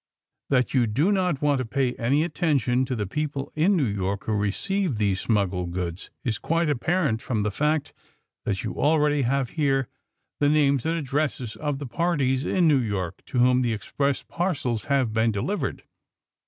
That you do not want me to pay any attention to the people in New York who receive these smuggled goods is quite apparent from the fact that you already have here the names and addresses of the parties in New York to whom the express parcels have been delivered.